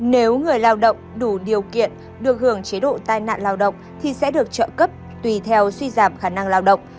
nếu người lao động đủ điều kiện được hưởng chế độ tai nạn lao động thì sẽ được trợ cấp tùy theo suy giảm khả năng lao động